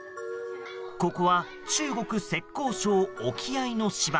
ここは中国・浙江省沖合の島。